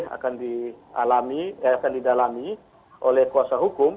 akan didalami oleh kuasa hukum